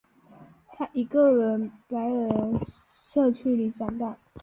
他在一个白人社区里长大。